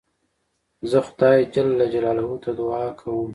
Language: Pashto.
زه خدای جل جلاله ته دؤعا کوم.